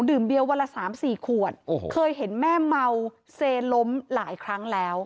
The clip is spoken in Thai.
เบียวันละสามสี่ขวดโอ้โหเคยเห็นแม่เมาเซล้มหลายครั้งแล้ว